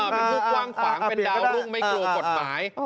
เป็นผู้กว้างขวางเป็นดาวรุ่งไม่กลัวกฎหมาย